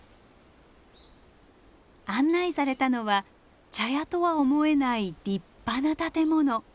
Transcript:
案内されたのは茶屋とは思えない立派な建物。